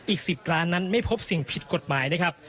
อีก๑๐ล้านนั้นไม่พบสิ่งผิดกฎหมายนะครับ